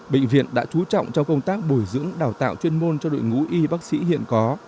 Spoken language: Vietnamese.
bệnh viện đã trú trọng trong công tác bồi dưỡng đào tạo chuyên môn cho đội ngũ y bác sĩ hiện có